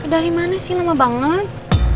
dari mana sih lama banget